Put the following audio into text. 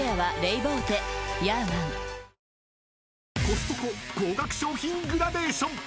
［コストコ高額商品グラデーション］